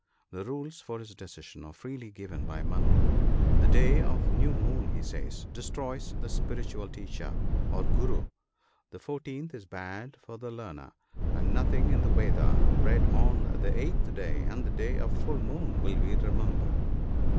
The rules for his decision are freely given by Manu. " The day of new moon," he says, " destroys the spiritual teacher (or gooroo), the fourteenth is bad for the learner, and nothing in the Vedas read on the eighth day and the day of full moon will be remembered."